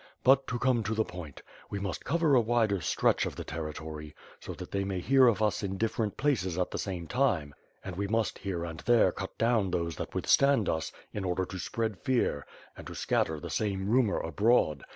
But, to come to the point. We must cover a wider stretch of the territory, so that they may hear of us in different places at the same time, and we must here and there cut down those that withstand us, in order to spread fear, and to scatter the same rumor abroad.